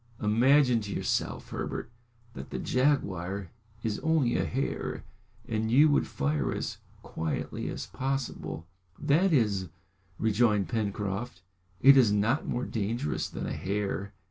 "Imagine to yourself, Herbert, that the jaguar is only a hare, and you would fire as quietly as possible." "That is," rejoined Pencroft, "it is not more dangerous than a hare!"